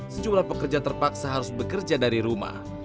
sejumlah pekerja terpaksa harus bekerja dari rumah